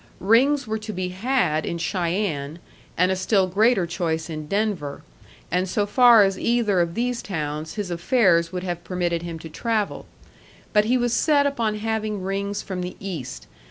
Rings were to be had in Cheyenne, and a still greater choice in Denver; and so far as either of these towns his affairs would have permitted him to travel. But he was set upon having rings from the East.